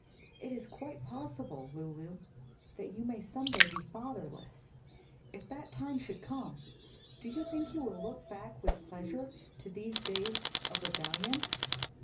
It is quite possible, Lulu, that you may some day be fatherless; if that time should come, do you think you will look back with pleasure to these days of rebellion?"